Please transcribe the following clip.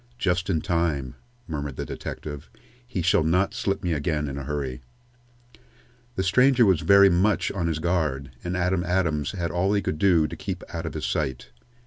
"Just in time," murmured the detective. "He shall not slip me again in a hurry." The stranger was very much on his guard, and Adam Adams had all he could do to keep out of his sight.